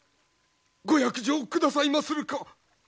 ご約定くださいまするか？